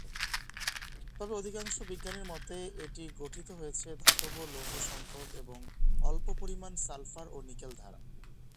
তবে অধিকাংশ বিজ্ঞানীর মতে এটি গঠিত হয়েছে ধাতব লৌহ সংকর এবং অল্প পরিমাণ সালফার ও নিকেল দ্বারা।